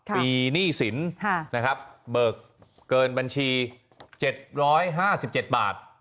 ปีหนี้สินเบิกเกินบัญชี๗๕๗บาท